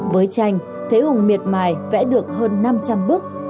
với tranh thế hùng miệt mài vẽ được hơn năm trăm linh bức